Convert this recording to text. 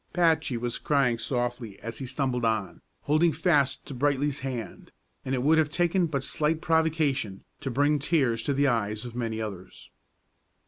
Patchy was crying softly as he stumbled on, holding fast to Brightly's hand, and it would have taken but slight provocation to bring tears to the eyes of many others.